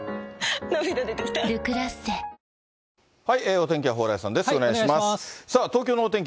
お天気は蓬莱さんです。